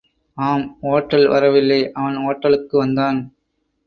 ஆம் ஓட்டல் வரவில்லை அவன் ஓட்டலுக்கு வந்தான்.